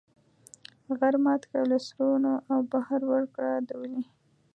غر مات کړه له سرونو او بحر وکړه له وینې.